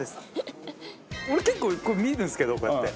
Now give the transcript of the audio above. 俺結構見るんですけどこうやって。